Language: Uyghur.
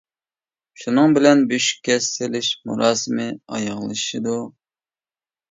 شۇنىڭ بىلەن بۆشۈككە سېلىش مۇراسىمى ئاياغلىشىدۇ.